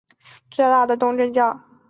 罗马尼亚最大的宗教是东正教。